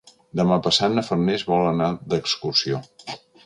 Demà passat na Farners vol anar d'excursió.